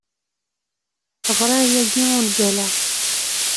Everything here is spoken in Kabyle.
Ɣriɣ yagi ungal-a.